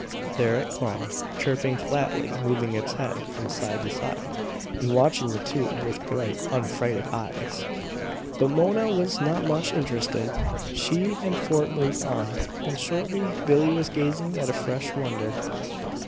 There it clung, chirping flatly, moving its head from side to side and watching the two with bright, unfrightened eyes. But Mona was not much interested; she and Fort moved on. And shortly Billie was gazing at a fresh wonder.